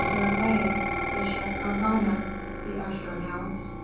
d'Herblay, bishop of Vannes," the usher announced.